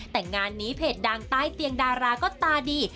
แต่งานนี้เพจดังใต้เตียงดาราก็ตาดี